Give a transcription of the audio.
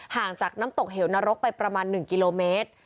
ห่างจากน้ำตกเหวนรกไปประมาณ๑กิโลเมตร